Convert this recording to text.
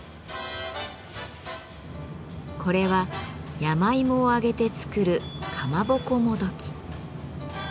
これは山芋を揚げて作るカマボコもどき。